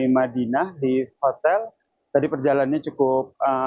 di madinah di hotel tadi perjalanannya cukup